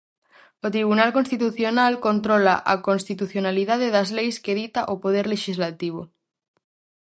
O Tribunal Constitucional controla a constitucionalidade das leis que dita o poder lexislativo.